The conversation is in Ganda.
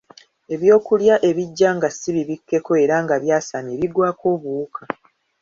Ebyokulya ebijja nga si bibikkeko era nga byasamye bigwako obuwuka.